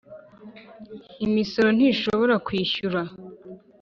Imisoro ntishobora kwishyura